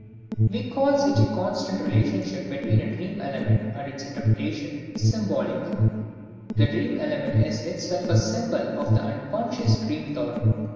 We call such a constant relationship between a dream element and its interpretation symbolic. The dream element is itself a symbol of the unconscious dream thought.